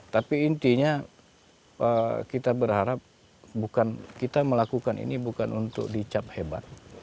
tapi intinya kita berharap bukan kita melakukan ini bukan untuk dicap hebat